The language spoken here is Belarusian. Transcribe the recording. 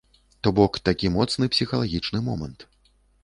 То бок, такі моцны псіхалагічны момант.